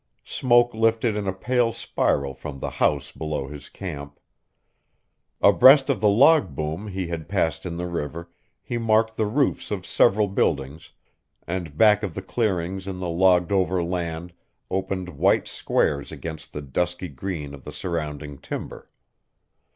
Smoke lifted in a pale spiral from the house below his camp. Abreast of the log boom he had passed in the river, he marked the roofs of several buildings, and back of the clearings in the logged over land opened white squares against the dusky green of the surrounding timber.